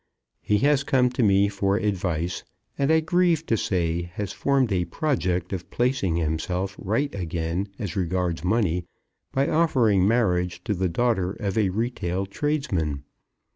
He has come to me for advice, and I grieve to say, has formed a project of placing himself right again as regards money by offering marriage to the daughter of a retail tradesman.